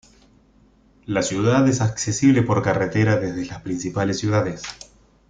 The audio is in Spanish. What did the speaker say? La ciudad es accesible por carretera desde las principales ciudades.